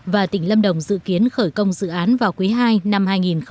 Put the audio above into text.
và tỉnh lâm đồng dự kiến khởi công dự án vào quý ii năm hai nghìn một mươi chín